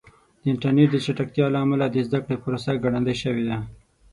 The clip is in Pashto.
د انټرنیټ د چټکتیا له امله د زده کړې پروسه ګړندۍ شوې ده.